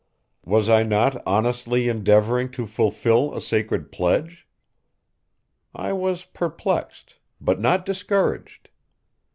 Was I not honestly endeavoring to fulfil a sacred pledge? I was perplexed but not discouraged.